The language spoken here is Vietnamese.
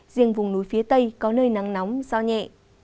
riêng vùng núi phía tây có nơi nắng nóng gió nhẹ